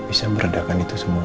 itu menangani mereka